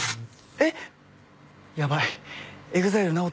えっ！？